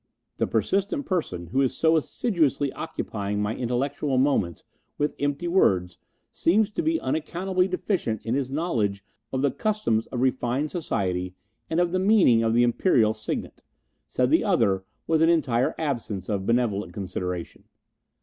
"The persistent person who is so assiduously occupying my intellectual moments with empty words seems to be unaccountably deficient in his knowledge of the customs of refined society and of the meaning of the Imperial Signet," said the other, with an entire absence of benevolent consideration.